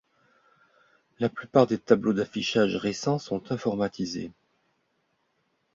La plupart des tableaux d'affichage récents sont informatisés.